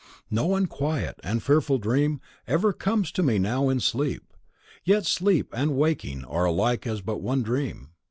No unquiet and fearful dream ever comes to me now in sleep, yet sleep and waking are alike but as one dream.